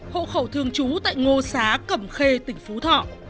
hộ khẩu thường trú tại ngô xá cẩm khê tỉnh phú thọ